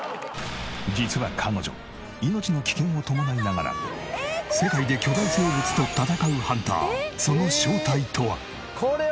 実は彼女命の危険を伴いながら世界で巨大生物と戦うハンター。